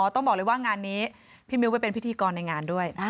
ต้องบอกเลยว่างานนี้พี่มิ้วไปเป็นพิธีกรในงานด้วย